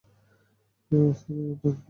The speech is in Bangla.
এই অবস্থাটাই বদলাতে হবে।